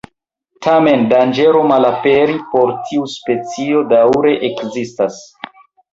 Tamen danĝero malaperi por tiu specio daŭre ekzistas.